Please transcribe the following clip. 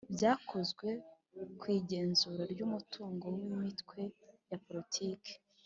Byakozwe ku igenzura ry’umutungo w’Imitwe ya Politiki